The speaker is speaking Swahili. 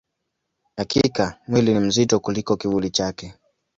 Hakika, mwili ni mzito kuliko kivuli chake.